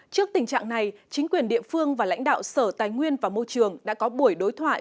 trước tình trạng này chính quyền địa phương và lãnh đạo sở tài nguyên và môi trường đã có buổi đối thoại